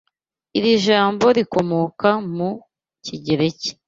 Iri jambo rikomoka mu kigereki.